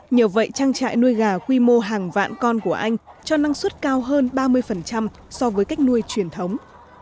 nhờ vậy trang trại nuôi gà quy mô hàng vạn con của anh cho năng suất cao hơn ba mươi so với cách nuôi truyền thống